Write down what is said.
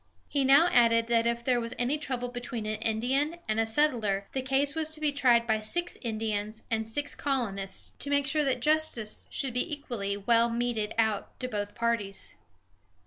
He now added that if there was any trouble between an Indian and a settler, the case was to be tried by six Indians and six colonists, to make sure that justice should be equally well meted out to both parties.